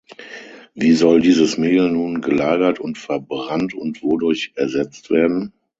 Wie soll dieses Mehl nun gelagert und verbrannt und wodurch ersetzt werden?